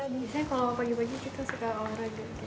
biasanya kalau pagi pagi kita suka olahraga